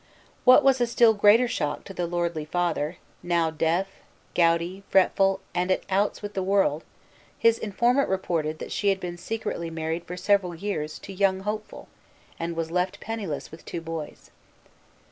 What was a still greater shock to the lordly father, now deaf, gouty, fretful, and at outs with the world, his informant reported that she had been secretly married for several years to Young Hopeful, and was left penniless with two boys.